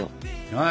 はい。